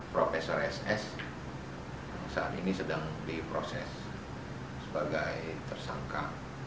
profesor ss saat ini sedang diproses sebagai tersangka